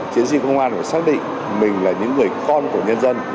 chiến sĩ công an phải xác định mình là những người con của nhân dân